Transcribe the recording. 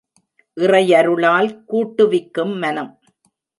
இறையருளால் கூட்டுவிக்கும் மனம்.